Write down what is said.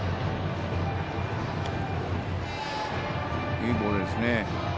いいボールですね。